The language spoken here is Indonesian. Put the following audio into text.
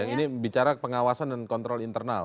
internal ya ini bicara pengawasan dan kontrol internal